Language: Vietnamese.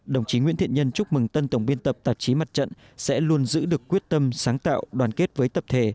đồng chí nguyễn thiện nhân chúc mừng tân tổng biên tập tạp chí mặt trận sẽ luôn giữ được quyết tâm sáng tạo đoàn kết với tập thể